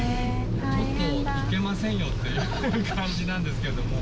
ちょっと行けませんよっていう感じなんですけども。